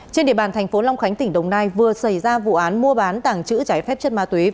trên địa bàn thành phố long khánh tỉnh đồng nai vừa xảy ra vụ án mua bán tàng trữ trái phép chất ma túy